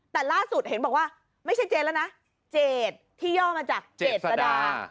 แต่ล่าสุดเห็นบอกว่าไม่ใช่เจนแล้วนะเจดที่ย่อมาจากเจษดา